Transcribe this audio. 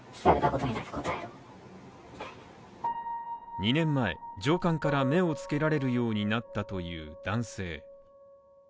２年前、上官から目をつけられるようになったという男性。